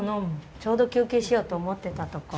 ちょうど休憩しようと思ってたとこ。